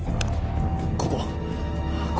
ここ！